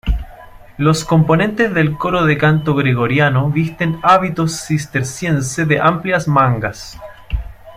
Los componentes del coro de canto gregoriano visten hábito cisterciense de amplias mangas.